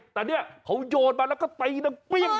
แต่นี่เขาโยนมาแล้วก็ตีแล้วเปี้ยง